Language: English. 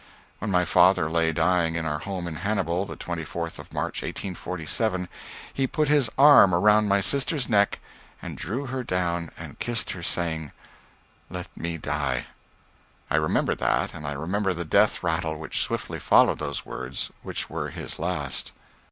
When my father lay dying in our home in Hannibal the 24th of March, 1847 he put his arm around my sister's neck and drew her down and kissed her, saying "Let me die." I remember that, and I remember the death rattle which swiftly followed those words, which were his last.